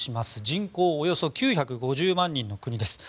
人口およそ９５０万人の国です。